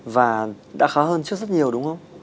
và đã khá hơn trước rất nhiều đúng không